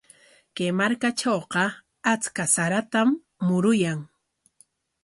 Kay markatrawqa achka saratam muruyan.